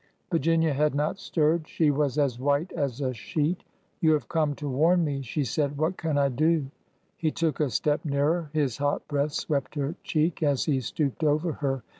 Virginia had not stirred. She was white as a sheet. '' You have come to warn me," she said. What can I do?" He took a step nearer. His hot breath swept her cheek as he stooped over her.